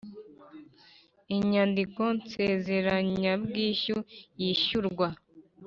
Inyandiko nsezeranyabwishyu yishyurwa